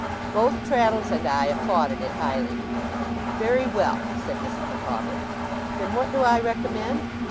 Both Traddles and I applauded it highly. 'Very well,' said Mrs. Micawber. 'Then what do I recommend?